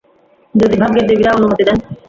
যদি ভাগ্যের দেবীরা অনুমতি দেন।